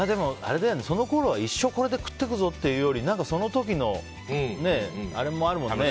そのころは、一生これで食っていくぞっていうよりその時の、あれもあるもんね。